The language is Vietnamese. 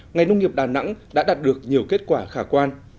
ngành nông nghiệp đà nẵng đã đạt được nhiều kết quả khả quan